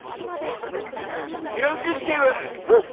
南十字警部！